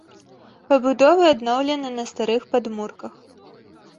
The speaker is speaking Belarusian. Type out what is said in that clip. Пабудовы адноўлены на старых падмурках.